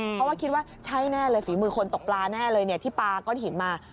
เพราะว่าคิดว่าใช่แน่เลยฝีมือคนตกปลาแน่เลยที่ปลาก้อนหินมา